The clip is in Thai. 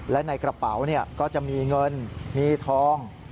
และในกระเป๋าก็จะมีเงินมีทอง